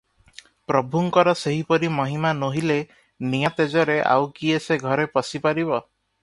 ପ୍ରଭୁଙ୍କର ସେହିପରି ମହିମା, ନୋହିଲେ ନିଆଁ ତେଜରେ ଆଉ କିଏ ସେ ଘରେ ପଶି ପାରିବ?